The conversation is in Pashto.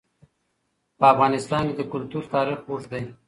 په افغانستان کې د کلتور تاریخ اوږد دی.